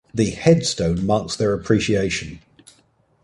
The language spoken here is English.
The "headstone" marks their appreciation.